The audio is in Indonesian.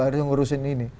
harus ngurusin ini